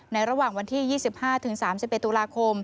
ในระหว่างวันที่๒๕๓๐ปค